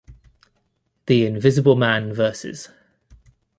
The Invisible Man vs.